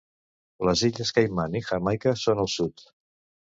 Les illes Caiman i Jamaica són al sud.